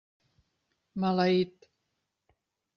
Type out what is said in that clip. Maleït!